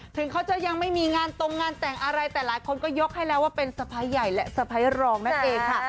ถึงเขาจะยังไม่มีงานตรงงานแต่งอะไรแต่หลายคนก็ยกให้แล้วว่าเป็นสะพ้ายใหญ่และสะพ้ายรองนั่นเองค่ะ